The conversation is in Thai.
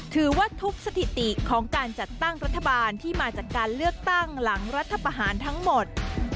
ถือว่าทุบสถิติของการจัดตั้งรัฐบาลที่มาจากการเลือกตั้งหลังรัฐประหารทั้งหมด